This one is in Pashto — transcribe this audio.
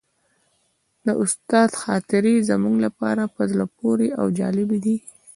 د استاد خاطرې زموږ لپاره په زړه پورې او جالبې دي.